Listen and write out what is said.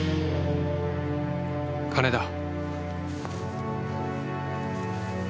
金だ。